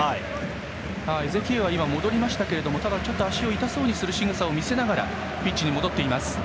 エゼキエウは戻りましたがただ、ちょっと足を痛そうにするしぐさを見せながらピッチに戻っています。